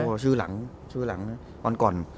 โอ้โหชื่อหลังชื่อหลังนะค่อน